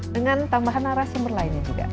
dengan tambahan narasumber lainnya juga